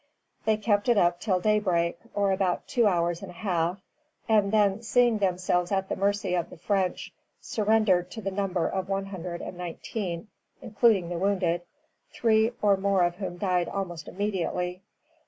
They kept it up till daybreak, or about two hours and a half; and then, seeing themselves at the mercy of the French, surrendered to the number of one hundred and nineteen, including the wounded, three or more of whom died almost immediately.